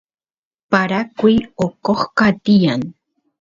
pararayku oqosqa tiyani